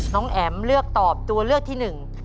น้องแอ๋มเลือกตอบตัวเลือกที่หนึ่ง